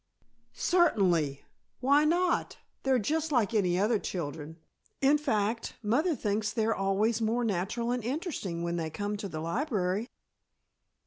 "Certainly. Why not? They're just like any other children. In fact, mother thinks they're always more natural and interesting when they come to the library."